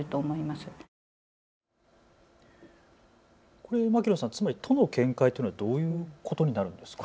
これ牧野さん、つまり都の見解というのはどういうことになるんですか。